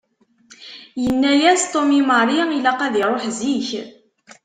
Yenna-yas Tom i Mary ilaq ad iruḥ zik.